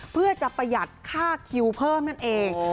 เพื่อจะประหยัดค่าคิวเพิ่มนั่นเอง